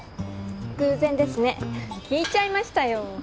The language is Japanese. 偶然ですね聞いちゃいましたよ